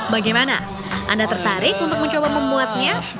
bagaimana anda tertarik untuk mencoba membuatnya